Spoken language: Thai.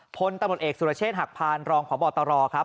พลตำรวจเอกสุรเชษฐหักพานรองพบตรครับ